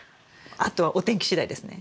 あとはお天気しだいですね。